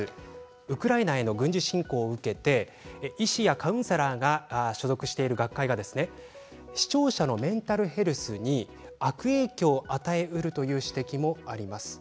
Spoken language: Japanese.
ウクライナへの軍事侵攻を受けて医師やカウンセラーなどが所属している学会が視聴者のメンタルヘルスに悪影響を与えうるという指摘もあります。